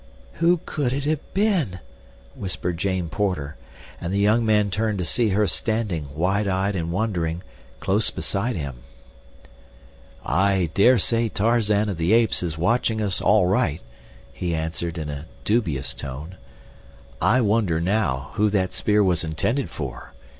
"Who could it have been?" whispered Jane Porter, and the young man turned to see her standing, wide eyed and wondering, close beside him. "I dare say Tarzan of the Apes is watching us all right," he answered, in a dubious tone. "I wonder, now, who that spear was intended for.